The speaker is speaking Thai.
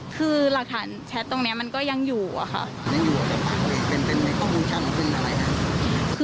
คือหลักฐานแชทตรงนี้มันก็ยังอยู่อะค่ะ